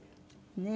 ねえ。